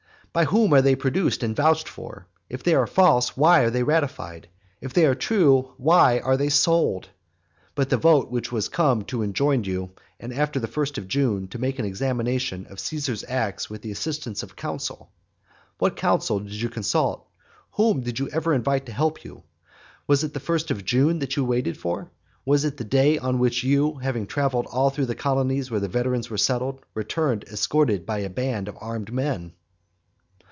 By whom are they produced and vouched for? If they are false, why are they ratified? If they are true, why are they sold? But the vote which was come to enjoined you, after the first of June, to make an examination of Caesar's acts with the assistance of a council. What council did you consult? Whom did you ever invite to help you? What was the first of June that you waited for? Was it that day on which you, having travelled all through the colonies where the veterans were settled, returned escorted by a band of armed men?